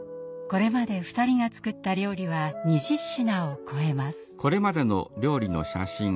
これまで２人が作った料理は２０品を超えます。